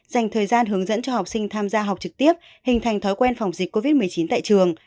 dành thời gian hướng dẫn cho học sinh tham gia học trực tiếp hình thành thói quen phòng dịch covid một mươi chín tại trường